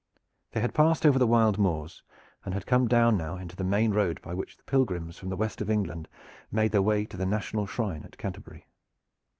They had passed over the wild moors and had come down now into the main road by which the pilgrims from the west of England made their way to the national shrine at Canterbury.